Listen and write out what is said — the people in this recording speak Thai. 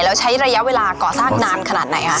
แล้วใช้ระยะเวลาก่อสร้างนานขนาดไหนคะ